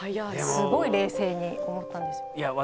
すごい冷静に思ったんですよ。ですよね。